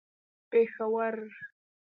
پېښور